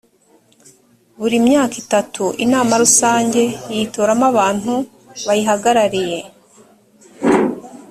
buri myaka itatu inama rusange yitoramo abantu bayihagarariye